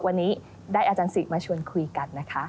วันนี้ได้อาจารย์สิริมาชวนคุยกัน